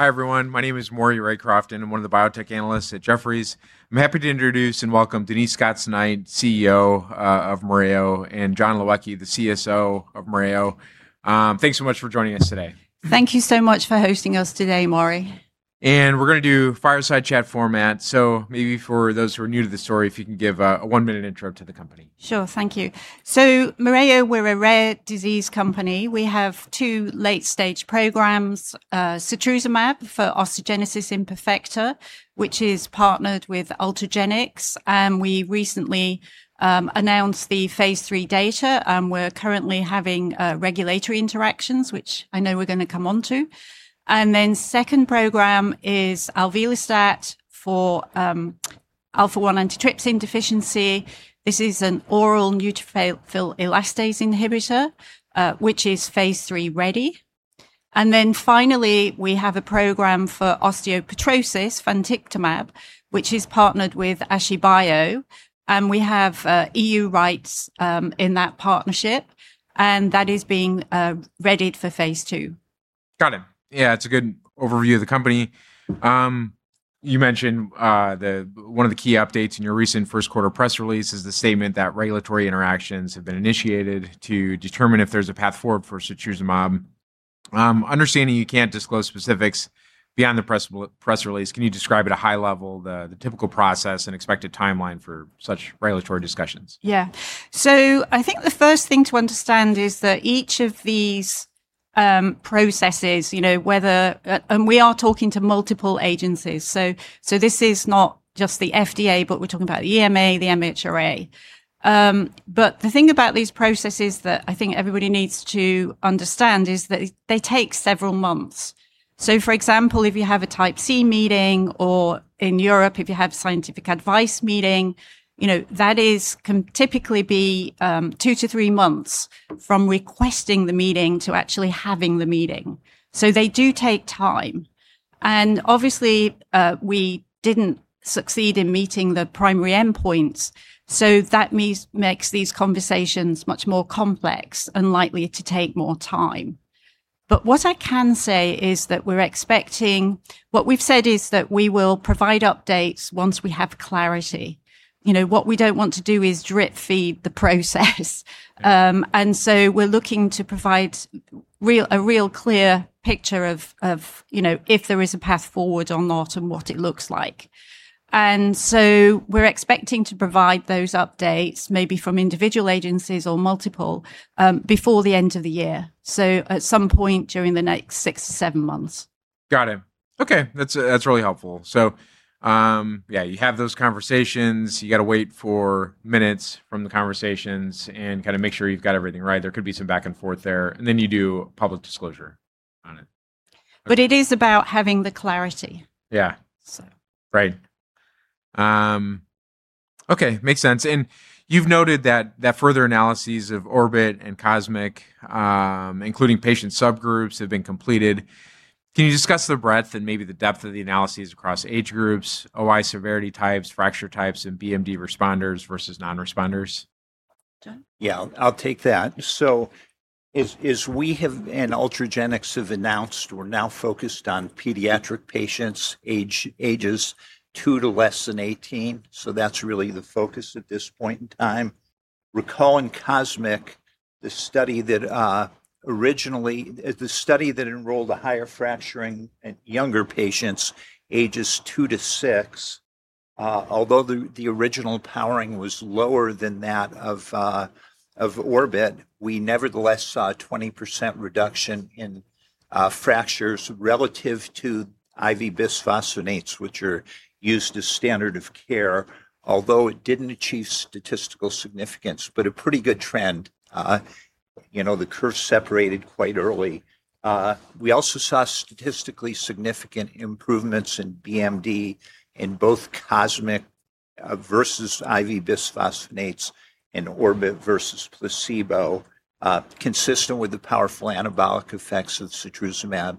Hi, everyone. My name is Maury Raycroft, and I'm one of the Biotech analysts at Jefferies. I'm happy to introduce and welcome Denise Scots-Knight, CEO of Mereo, and John Lewicki, the CSO of Mereo. Thanks so much for joining us today. Thank you so much for hosting us today, Maury. We're going to do fireside chat format, so maybe for those who are new to the story, if you can give a one-minute intro to the company. Sure. Thank you. Mereo, we're a rare disease company. We have two late-stage programs, setrusumab for osteogenesis imperfecta, which is partnered with Ultragenyx, and we recently announced the phase III data, and we're currently having regulatory interactions, which I know we're going to come on to. Second program is alvelestat for alpha-1 antitrypsin deficiency. This is an oral neutrophil elastase inhibitor, which is phase III-ready. Finally, we have a program for osteopetrosis, vantictumab, which is partnered with āshibio, and we have EU rights in that partnership, and that is being readied for phase II. Got it. Yeah. It's a good overview of the company. You mentioned one of the key updates in your recent first quarter press release is the statement that regulatory interactions have been initiated to determine if there's a path forward for setrusumab. Understanding you can't disclose specifics beyond the press release, can you describe at a high level the typical process and expected timeline for such regulatory discussions? Yeah. I think the first thing to understand is that each of these processes, you know, we are talking to multiple agencies, this is not just the FDA, but we're talking about the EMA, the MHRA. The thing about these processes that I think everybody needs to understand is that they take several months. For example, if you have a Type C meeting or in Europe, if you have scientific advice meeting, you know, that can typically be two to three months from requesting the meeting to actually having the meeting. They do take time. Obviously, we didn't succeed in meeting the primary endpoints, that makes these conversations much more complex and likely to take more time. What I can say is that what we've said is that we will provide updates once we have clarity. What we don't want to do is drip feed the process. Yeah. We're looking to provide a real clear picture of if there is a path forward or not and what it looks like. We're expecting to provide those updates, maybe from individual agencies or multiple, before the end of the year. At some point during the next six to seven months. Got it. Okay. That's really helpful. Yeah, you have those conversations. You got to wait for minutes from the conversations and kind of make sure you've got everything right. There could be some back and forth there, then you do public disclosure on it. It is about having the clarity. Yeah. So. Right. Okay. Makes sense. You've noted that further analyses of ORBIT and COSMIC, including patient subgroups, have been completed. Can you discuss the breadth and maybe the depth of the analyses across age groups, OI severity types, fracture types, and BMD responders versus non-responders? John? Yeah, I'll take that. As we and Ultragenyx have announced, we're now focused on pediatric patients ages two to less than 18, so that's really the focus at this point in time. Recalling COSMIC, the study that enrolled higher fracturing in younger patients ages two to six. The original powering was lower than that of ORBIT, we nevertheless saw a 20% reduction in fractures relative to IV bisphosphonates, which are used as standard of care. It didn't achieve statistical significance, but a pretty good trend. The curve separated quite early. We also saw statistically significant improvements in BMD in both COSMIC versus IV bisphosphonates and ORBIT versus placebo, consistent with the powerful anabolic effects of setrusumab.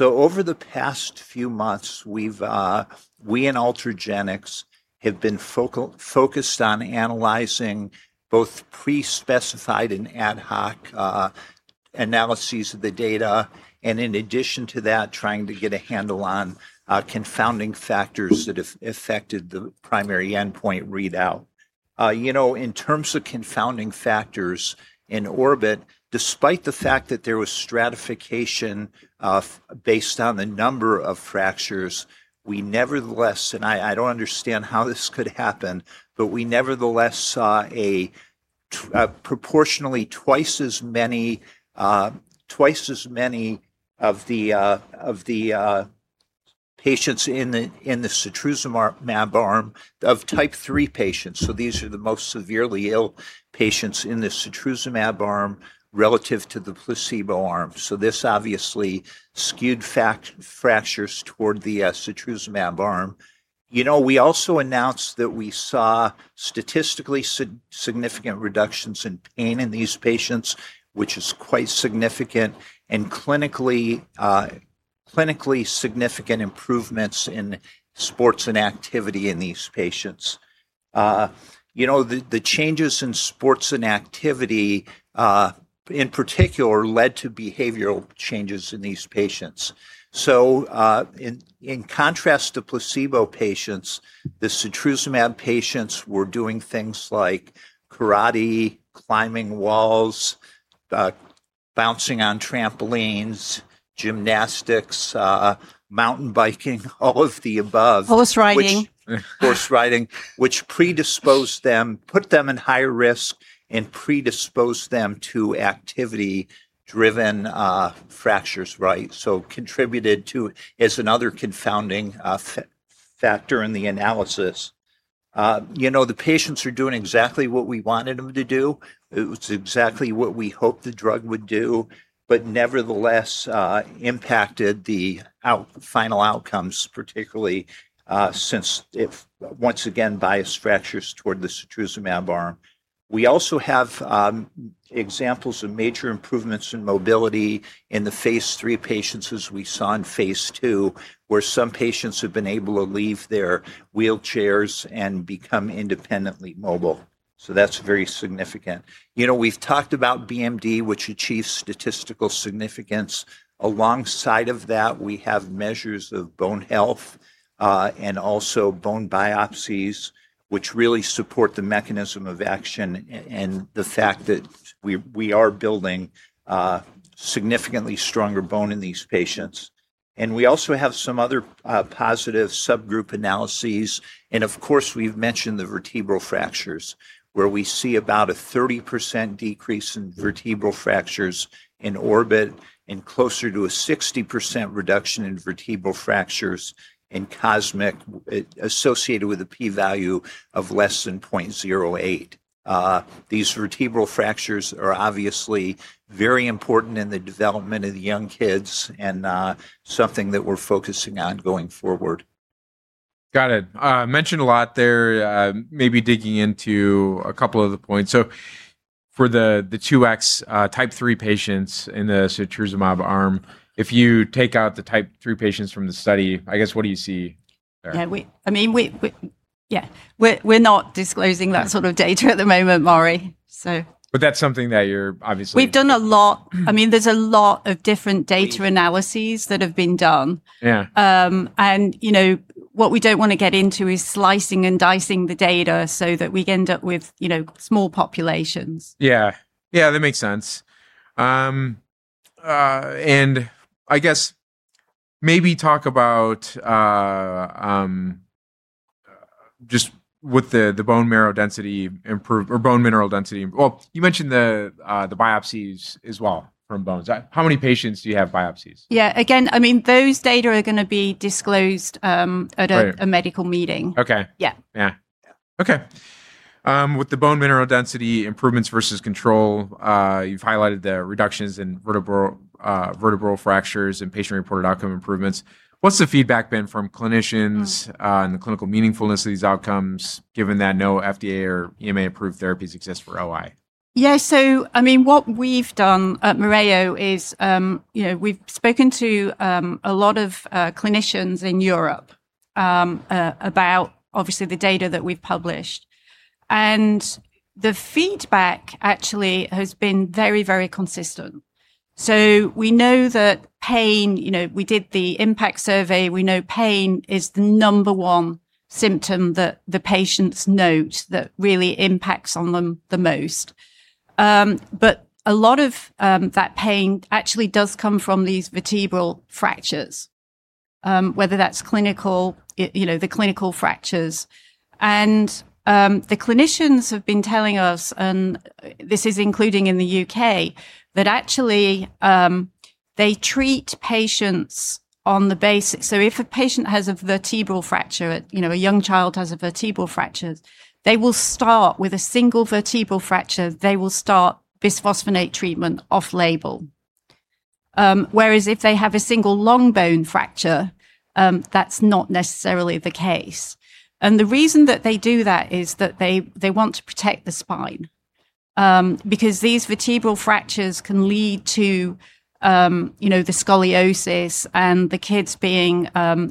Over the past few months, we and Ultragenyx have been focused on analyzing both pre-specified and ad hoc analyses of the data, and in addition to that, trying to get a handle on confounding factors that affected the primary endpoint readout. In terms of confounding factors in ORBIT, despite the fact that there was stratification based on the number of fractures, we nevertheless, and I don't understand how this could happen, but we nevertheless saw a proportionally twice as many of the patients in the setrusumab arm of type three patients, so these are the most severely ill patients in the setrusumab arm relative to the placebo arm. This obviously skewed fractures toward the setrusumab arm. We also announced that we saw statistically significant reductions in pain in these patients, which is quite significant, and clinically significant improvements in sports and activity in these patients. The changes in sports and activity, in particular, led to behavioral changes in these patients. In contrast to placebo patients, the setrusumab patients were doing things like karate, climbing walls, bouncing on trampolines, gymnastics, mountain biking, all of the above. Horse riding. Horse riding, which put them in higher risk and predisposed them to activity-driven fractures, right? Contributed to, is another confounding factor in the analysis. The patients are doing exactly what we wanted them to do. It's exactly what we hoped the drug would do, but nevertheless, impacted the final outcomes, particularly since if, once again, biased fractures toward the setrusumab arm. We also have examples of major improvements in mobility in the phase III patients as we saw in phase II, where some patients have been able to leave their wheelchairs and become independently mobile. That's very significant. We've talked about BMD, which achieves statistical significance. Alongside of that, we have measures of bone health, and also bone biopsies, which really support the mechanism of action and the fact that we are building significantly stronger bone in these patients. We also have some other positive subgroup analyses. Of course, we've mentioned the vertebral fractures, where we see about a 30% decrease in vertebral fractures in ORBIT and closer to a 60% reduction in vertebral fractures in COSMIC associated with a P value of less than 0.08. These vertebral fractures are obviously very important in the development of the young kids and something that we're focusing on going forward. Got it. Mentioned a lot there, maybe digging into a couple of the points. For the 2X type three patients in the setrusumab arm, if you take out the type three patients from the study, I guess, what do you see there? Yeah. We're not disclosing that sort of data at the moment, Maury, so. That's something that you're obviously. We've done a lot. There's a lot of different data analyses that have been done. Yeah. What we don't want to get into is slicing and dicing the data so that we end up with small populations. Yeah. That makes sense. I guess maybe talk about just with the bone marrow density or bone mineral density. Well, you mentioned the biopsies as well from bones. How many patients do you have biopsies? Yeah. Again, those data are going to be disclosed- Right. at a medical meeting. Okay. Yeah. Yeah. Okay. With the bone mineral density improvements versus control, you've highlighted the reductions in vertebral fractures and patient-reported outcome improvements. What's the feedback been from clinicians? On the clinical meaningfulness of these outcomes, given that no FDA or EMA-approved therapies exist for OI? Yeah. What we've done at Mereo is we've spoken to a lot of clinicians in Europe about obviously the data that we've published. The feedback actually has been very, very consistent. We know that pain, we did the impact survey. We know pain is the number one symptom that the patients note that really impacts on them the most. A lot of that pain actually does come from these vertebral fractures, whether that's the clinical fractures. The clinicians have been telling us, and this is including in the U.K., that actually they treat patients if a patient has a vertebral fracture, a young child has a vertebral fracture, they will start with a single vertebral fracture, they will start bisphosphonate treatment off-label. Whereas if they have a single long bone fracture, that's not necessarily the case. The reason that they do that is that they want to protect the spine, because these vertebral fractures can lead to the scoliosis and the kids being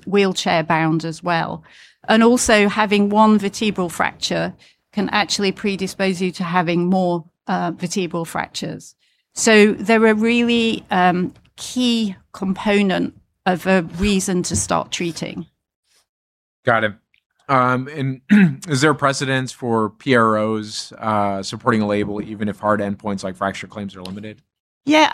wheelchair-bound as well. Also having one vertebral fracture can actually predispose you to having more vertebral fractures. They're a really key component of a reason to start treating. Got it. Is there a precedence for PROs supporting a label even if hard endpoints like fracture claims are limited? Yeah.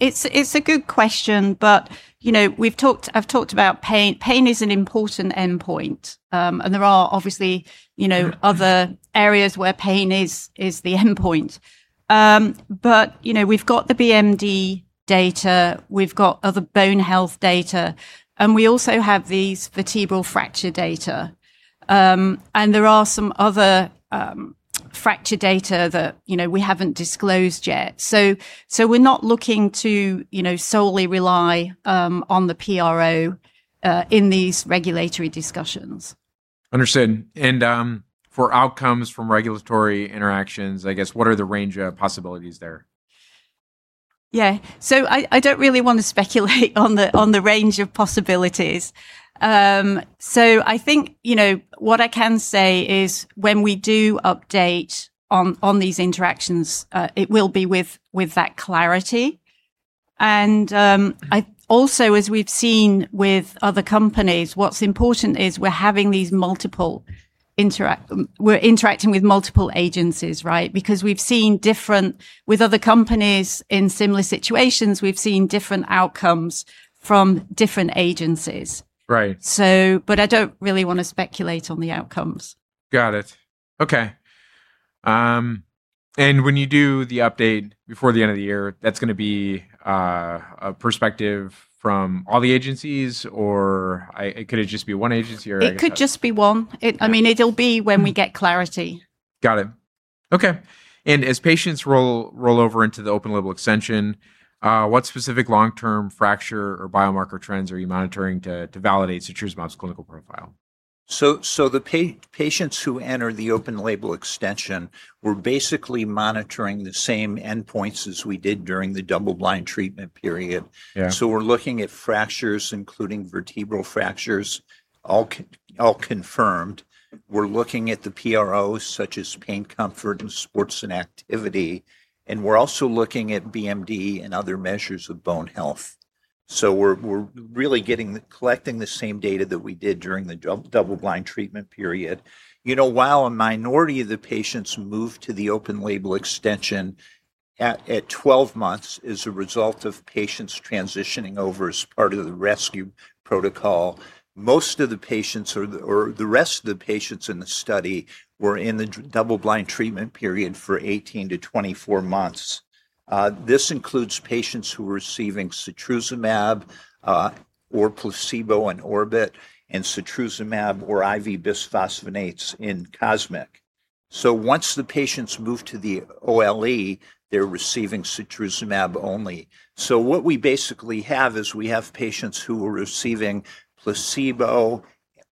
It's a good question, but I've talked about pain. Pain is an important endpoint. There are obviously other areas where pain is the endpoint. We've got the BMD data, we've got other bone health data, and we also have these vertebral fracture data. There are some other fracture data that we haven't disclosed yet. We're not looking to solely rely on the PRO in these regulatory discussions. Understood. For outcomes from regulatory interactions, I guess what are the range of possibilities there? Yeah. I don't really want to speculate on the range of possibilities. I think what I can say is when we do update on these interactions, it will be with that clarity. Also, as we've seen with other companies, what's important is we're interacting with multiple agencies, right? Because with other companies in similar situations, we've seen different outcomes from different agencies. Right. I don't really want to speculate on the outcomes. Got it. Okay. When you do the update before the end of the year, that's going to be a perspective from all the agencies, or could it just be one agency? It could just be one. It'll be when we get clarity. Got it. Okay. As patients roll over into the open label extension, what specific long-term fracture or biomarker trends are you monitoring to validate setrusumab's clinical profile? The patients who enter the open label extension, we're basically monitoring the same endpoints as we did during the double-blind treatment period. Yeah. We're looking at fractures, including vertebral fractures, all confirmed. We're looking at the PRO, such as pain, comfort, and sports, and activity. We're also looking at BMD and other measures of bone health. We're really collecting the same data that we did during the double-blind treatment period. While a minority of the patients moved to the open label extension at 12 months as a result of patients transitioning over as part of the rescue protocol, most of the patients or the rest of the patients in the study were in the double-blind treatment period for 18 to 24 months. This includes patients who were receiving setrusumab, or placebo in ORBIT, and setrusumab or IV bisphosphonates in COSMIC. Once the patients move to the OLE, they're receiving setrusumab only. What we basically have is we have patients who were receiving placebo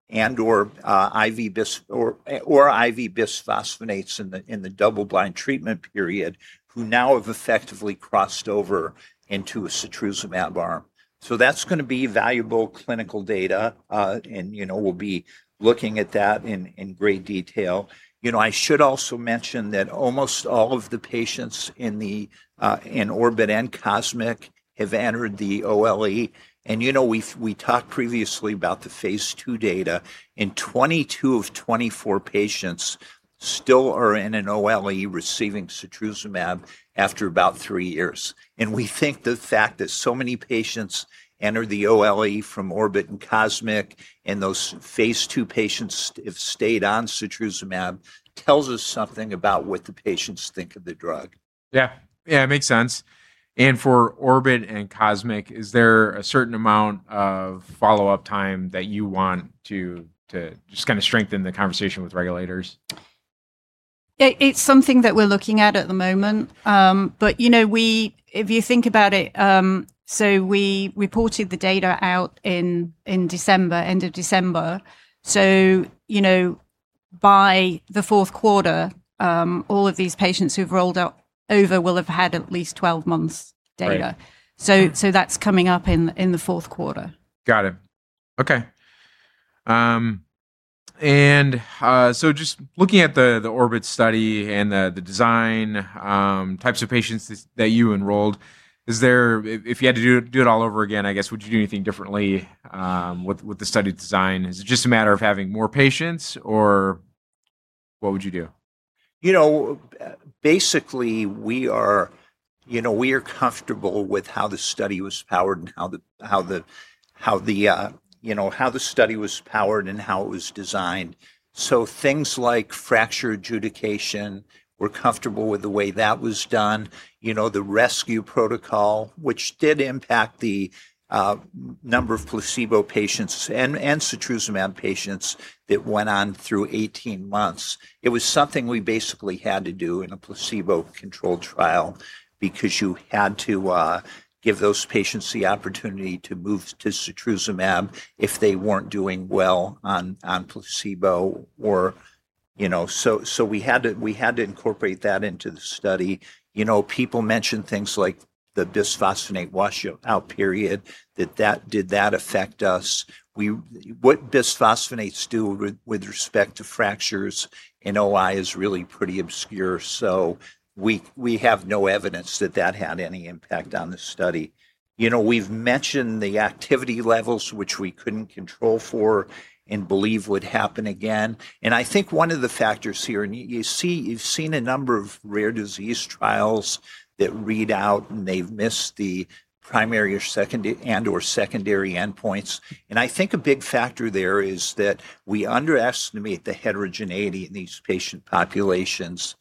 and/or IV bisphosphonates in the double-blind treatment period, who now have effectively crossed over into a setrusumab arm. That's going to be valuable clinical data. We'll be looking at that in great detail. I should also mention that almost all of the patients in ORBIT and COSMIC have entered the OLE. We talked previously about the phase II data, and 22 of 24 patients still are in an OLE receiving setrusumab after about three years. We think the fact that so many patients entered the OLE from ORBIT and COSMIC, and those phase II patients have stayed on setrusumab, tells us something about what the patients think of the drug. Yeah. It makes sense. For ORBIT and COSMIC, is there a certain amount of follow-up time that you want to just strengthen the conversation with regulators? It's something that we're looking at at the moment. If you think about it, we reported the data out in December, end of December. By the fourth quarter, all of these patients who've rolled out over will have had at least 12 months data. Right. That's coming up in the fourth quarter. Got it. Okay. Just looking at the ORBIT study and the design, types of patients that you enrolled, if you had to do it all over again, I guess, would you do anything differently with the study design? Is it just a matter of having more patients, or what would you do? We are comfortable with how the study was powered and how it was designed. Things like fracture adjudication, we are comfortable with the way that was done. The rescue protocol, which did impact the number of placebo patients and setrusumab patients that went on through 18 months. It was something we basically had to do in a placebo-controlled trial because you had to give those patients the opportunity to move to setrusumab if they were not doing well on placebo. We had to incorporate that into the study. People mention things like the bisphosphonate washout period. Did that affect us? What bisphosphonates do with respect to fractures in OI is really pretty obscure. We have no evidence that that had any impact on the study. We have mentioned the activity levels, which we could not control for and believe would happen again. I think one of the factors here, and you've seen a number of rare disease trials that read out and they've missed the primary and/or secondary endpoints. I think a big factor there is that we underestimate the heterogeneity in these patient populations.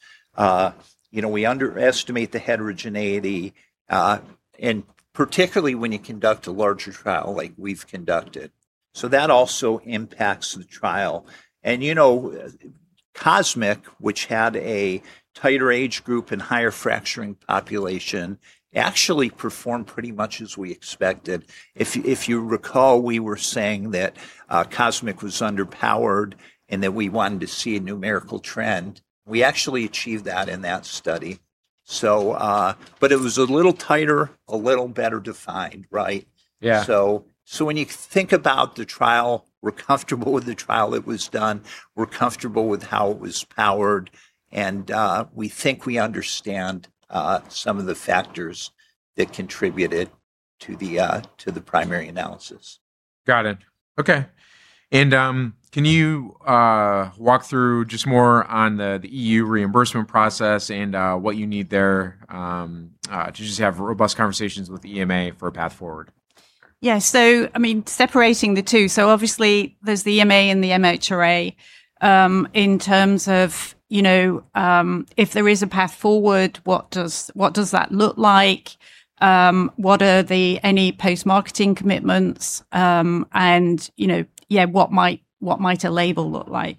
We underestimate the heterogeneity, and particularly when you conduct a larger trial like we've conducted. That also impacts the trial. COSMIC, which had a tighter age group and higher fracturing population, actually performed pretty much as we expected. If you recall, we were saying that COSMIC was underpowered, and that we wanted to see a numerical trend. We actually achieved that in that study. It was a little tighter, a little better defined, right? Yeah. When you think about the trial, we're comfortable with the trial that was done, we're comfortable with how it was powered, and we think we understand some of the factors that contributed to the primary analysis. Got it. Okay. Can you walk through just more on the EU reimbursement process and what you need there to just have robust conversations with the EMA for a path forward? Yeah. Separating the two, obviously there's the EMA and the MHRA, in terms of if there is a path forward, what does that look like? What are any post-marketing commitments? What might a label look like?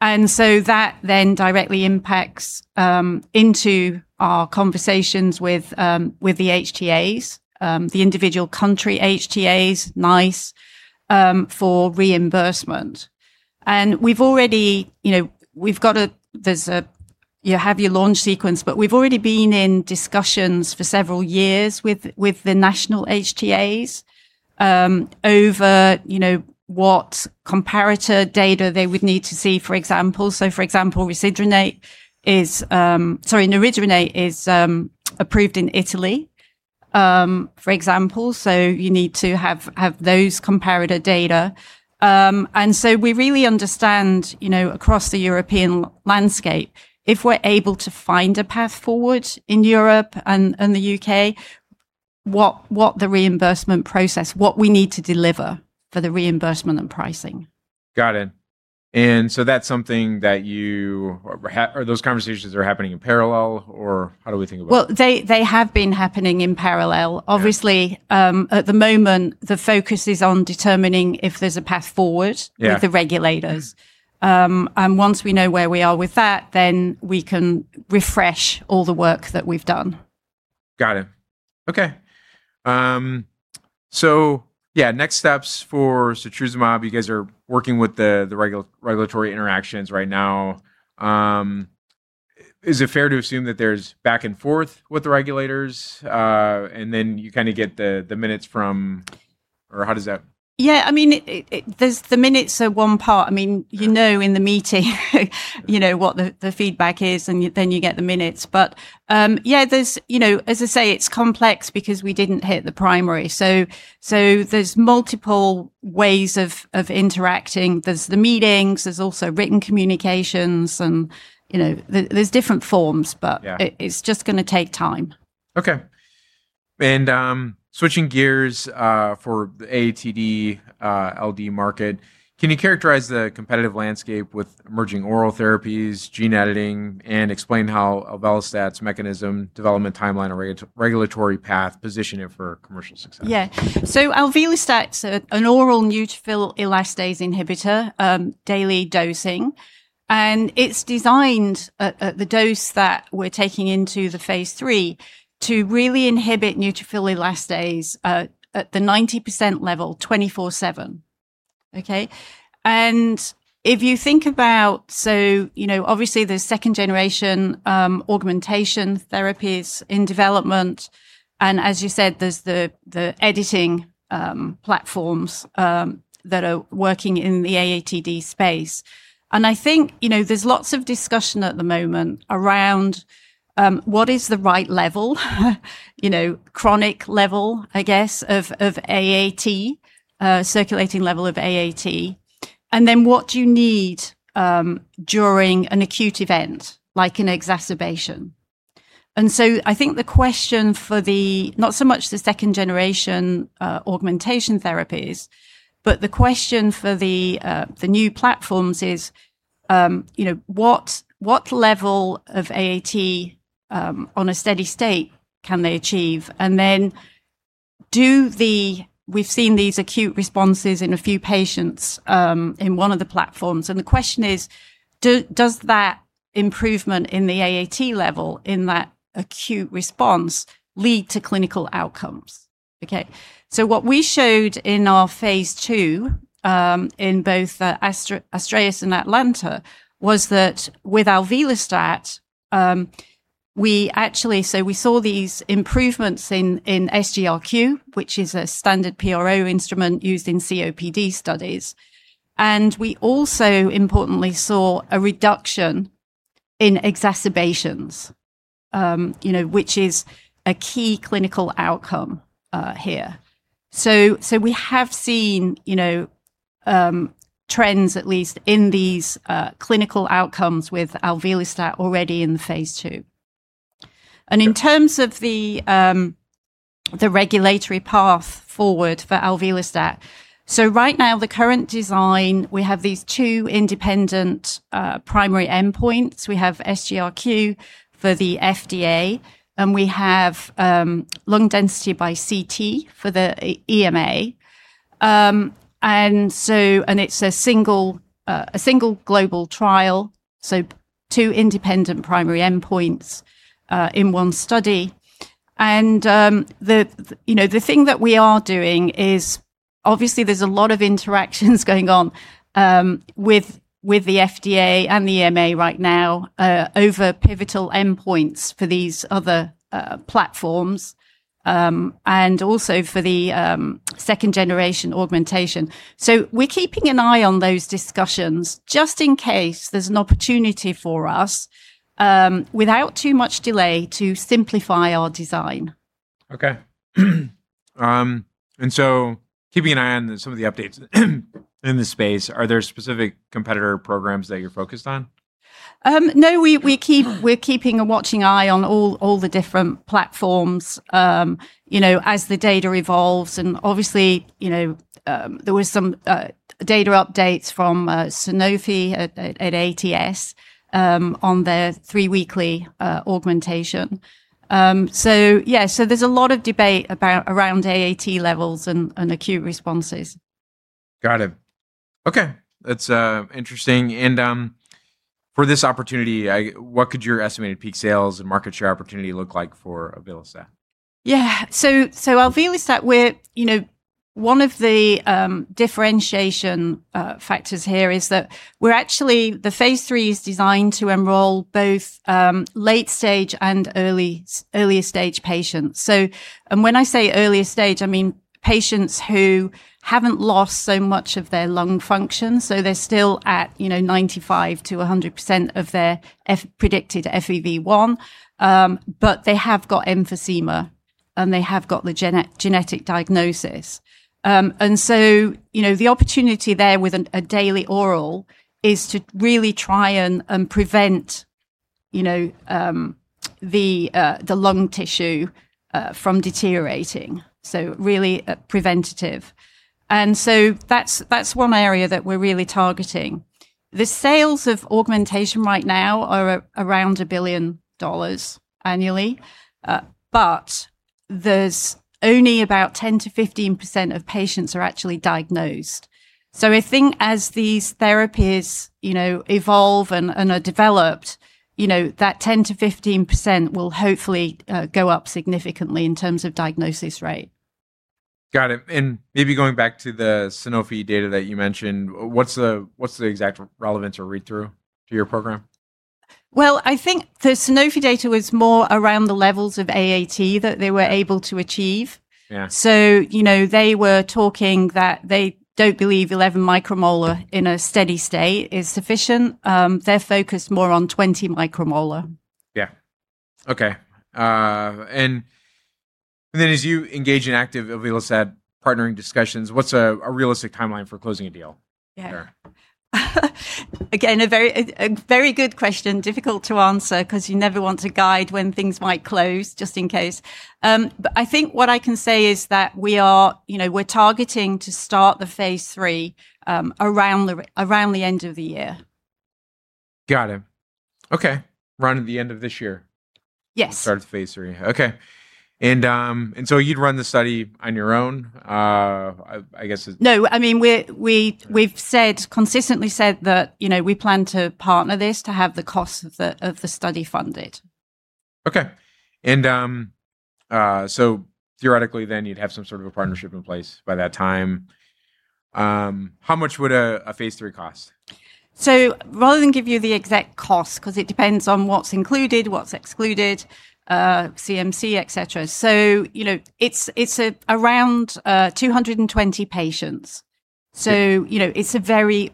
That then directly impacts into our conversations with the HTAs, the individual country HTAs, NICE, for reimbursement. You have your launch sequence, but we've already been in discussions for several years with the national HTAs over what comparator data they would need to see, for example. For example, neridronate is approved in Italy, for example, you need to have those comparator data. We really understand, across the European landscape, if we're able to find a path forward in Europe and the U.K., what the reimbursement process, what we need to deliver for the reimbursement and pricing. Got it. Are those conversations are happening in parallel, or how do we think about that? Well, they have been happening in parallel. Yeah. Obviously, at the moment, the focus is on determining if there's a path forward. Yeah. With the regulators. Once we know where we are with that, then we can refresh all the work that we've done. Got it. Okay. Yeah, next steps for setrusumab. You guys are working with the regulatory interactions right now. Is it fair to assume that there's back and forth with the regulators, and then you kind of get the minutes from? Yeah, the minutes are one part. You know in the meeting what the feedback is, and then you get the minutes. Yeah, as I say, it's complex because we didn't hit the primary. There's multiple ways of interacting. There's the meetings, there's also written communications, and there's different forms. Yeah. It's just going to take time. Okay. Switching gears for the AATD-LD market, can you characterize the competitive landscape with emerging oral therapies, gene editing, and explain how alvelestat's mechanism, development timeline, and regulatory path position it for commercial success? Yeah. So alvelestat's an oral neutrophil elastase inhibitor, daily dosing, and it's designed at the dose that we're taking into the phase III to really inhibit neutrophil elastase at the 90% level 24/7. Okay? If you think about, obviously there's second generation augmentation therapies in development, and as you said, there's the editing platforms that are working in the AATD space. I think there's lots of discussion at the moment around what is the right level, chronic level, I guess, of AAT, circulating level of AAT, and then what do you need during an acute event, like an exacerbation. I think the question for the, not so much the second-generation augmentation therapies, but the question for the new platforms is what level of AAT on a steady state can they achieve? We've seen these acute responses in a few patients in one of the platforms, and the question is: Does that improvement in the AAT level in that acute response lead to clinical outcomes? Okay. What we showed in our phase II, in both ASTRAEUS and ATALANTa, was that with alvelestat, so we saw these improvements in SGRQ, which is a standard PRO instrument used in COPD studies. We also importantly saw a reduction in exacerbations, which is a key clinical outcome here. We have seen trends, at least in these clinical outcomes with alvelestat already in the phase II. Yeah. In terms of the regulatory path forward for alvelestat, right now, the current design, we have these two independent primary endpoints. We have SGRQ for the FDA, and we have lung density by CT for the EMA. It's a single global trial, two independent primary endpoints in one study. The thing that we are doing is obviously there's a lot of interactions going on with the FDA and the EMA right now over pivotal endpoints for these other platforms, and also for the second-generation augmentation. We're keeping an eye on those discussions just in case there's an opportunity for us, without too much delay, to simplify our design. Okay. Keeping an eye on some of the updates in this space, are there specific competitor programs that you're focused on? No. We're keeping a watching eye on all the different platforms, as the data evolves, and obviously there was some data updates from Sanofi at ATS on their three-weekly augmentation. There's a lot of debate around AAT levels and acute responses. Got it. Okay. That's interesting. For this opportunity, what could your estimated peak sales and market share opportunity look like for alvelestat? Yeah. Alvelestat, one of the differentiation factors here is that we're actually, the phase III is designed to enroll both late stage and earlier stage patients. When I say earlier stage, I mean patients who haven't lost so much of their lung function, they're still at 95%-100% of their predicted FEV1. They have got emphysema, and they have got the genetic diagnosis. The opportunity there with a daily oral is to really try and prevent the lung tissue from deteriorating. Really preventative. That's one area that we're really targeting. The sales of augmentation right now are around a billion dollars annually. There's only about 10%-15% of patients are actually diagnosed. I think as these therapies evolve and are developed, that 10%-15% will hopefully go up significantly in terms of diagnosis rate. Got it. Maybe going back to the Sanofi data that you mentioned, what's the exact relevance or read-through to your program? Well, I think the Sanofi data was more around the levels of AAT that they were able to achieve. Yeah. They were talking that they don't believe 11 micromolar in a steady state is sufficient. They're focused more on 20 micromolar. Yeah. Okay. As you engage in active alvelestat partnering discussions, what's a realistic timeline for closing a deal here? Yeah. Again, a very good question. Difficult to answer because you never want to guide when things might close, just in case. I think what I can say is that we're targeting to start the phase III around the end of the year. Got it. Okay. Around the end of this year. Yes. Start phase III. Okay. You'd run the study on your own? No, we've consistently said that we plan to partner this to have the cost of the study funded. Okay. Theoretically then you'd have some sort of a partnership in place by that time. How much would a phase III cost? Rather than give you the exact cost, because it depends on what's included, what's excluded, CMC, et cetera, so it's around 220 patients. It's a very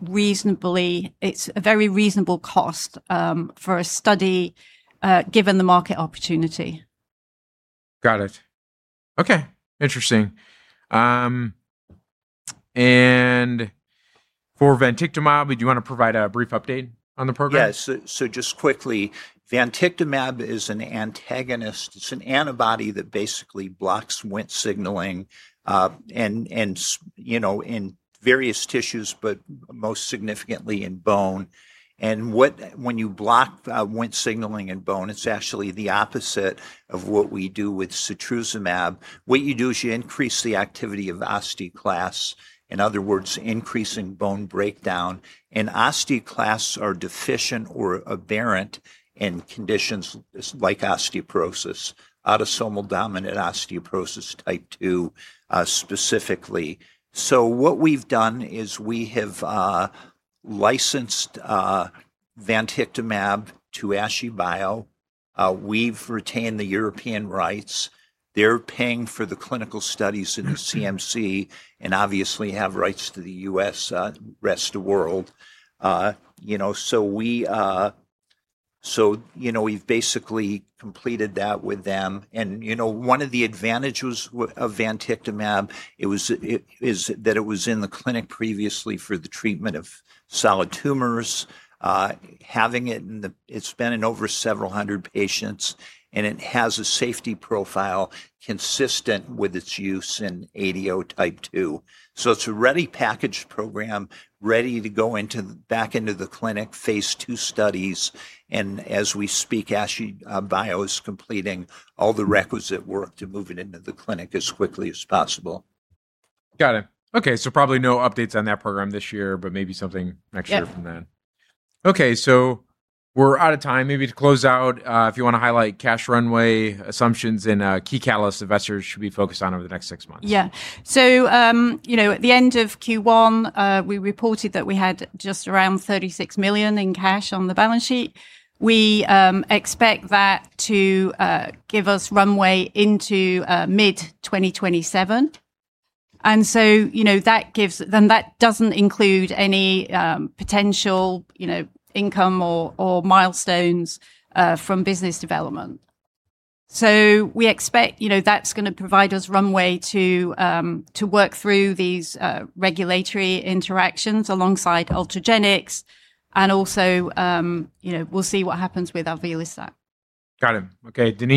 reasonable cost for a study given the market opportunity. Got it. Okay. Interesting. For vantictumab, do you want to provide a brief update on the program? Yes. Just quickly, vantictumab is an antagonist. It's an antibody that basically blocks Wnt signaling in various tissues, but most significantly in bone. When you block Wnt signaling in bone, it's actually the opposite of what we do with setrusumab. What you do is you increase the activity of osteoclasts, in other words, increasing bone breakdown, and osteoclasts are deficient or aberrant in conditions like osteoporosis, autosomal dominant osteopetrosis type two specifically. What we've done is we have licensed vantictumab to āshibio We've retained the European rights. They're paying for the clinical studies in the CMC and obviously have rights to the U.S., rest of world. We've basically completed that with them, and one of the advantages of vantictumab is that it was in the clinic previously for the treatment of solid tumors. It's been in over several hundred patients. It has a safety profile consistent with its use in ADO type two. It's a ready packaged program, ready to go back into the clinic phase II studies. As we speak, āshibio is completing all the requisite work to move it into the clinic as quickly as possible. Got it. Okay. Probably no updates on that program this year, but maybe something next year from then. Yeah. Okay. We're out of time. Maybe to close out, if you want to highlight cash runway assumptions and key catalyst investors should we focus on over the next six months? Yeah. At the end of Q1, we reported that we had just around $36 million in cash on the balance sheet. We expect that to give us runway into mid-2027, that doesn't include any potential income or milestones from business development. We expect that's going to provide us runway to work through these regulatory interactions alongside Ultragenyx and also we'll see what happens with alvelestat. Got it. Okay. Denise